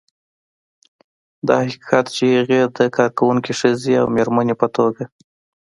دا حقیقت چې هغې د کارکونکې ښځې او مېرمنې په توګه